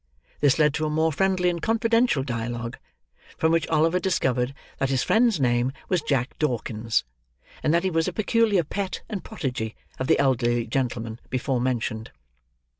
This led to a more friendly and confidential dialogue; from which Oliver discovered that his friend's name was Jack Dawkins, and that he was a peculiar pet and protege of the elderly gentleman before mentioned.